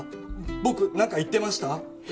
僕何か言ってました？